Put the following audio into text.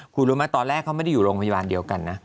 คุณรู้ไหมตอนแรกเขาไม่ได้อยู่โรงพยาบาลเดียวกันนะ